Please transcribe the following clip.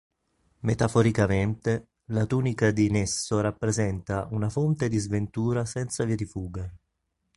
Metaforicamente, la tunica di Nesso rappresenta "una fonte di sventura senza via di fuga".